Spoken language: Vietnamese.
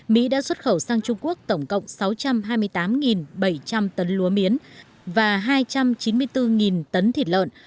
mỹ đã xuất khẩu sang trung quốc tổng cộng sáu trăm hai mươi tám bảy trăm linh tấn lúa miến và hai trăm chín mươi bốn tấn thịt lợn